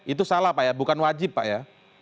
itu salah pak ya bukan wajib pak ya